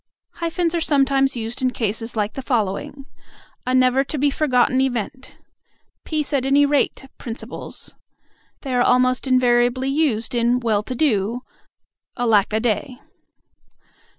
Hyphens are sometimes used in cases like the following: "A never to be forgotten event," "peace at any rate principles." They are almost invariably used in "well to do," "alack a day."